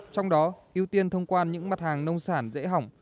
trong đó ưu tiên thông quan những mặt hàng nông sản dễ hỏng